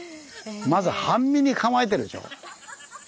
まず半身に構えてるでしょ。